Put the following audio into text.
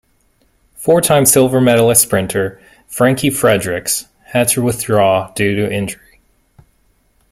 Four-time silver medalist sprinter Frankie Fredericks had to withdraw due to injury.